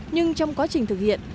nhưng trong quá trình thực hiện